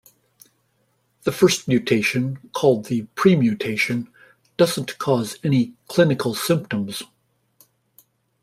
The first mutation, called the 'premutation', doesn't cause any clinical symptoms.